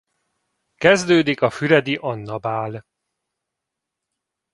Kezdődik füredi Anna-bál.